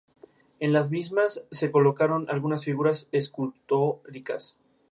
En las mismas se colocaron algunas figuras escultóricas.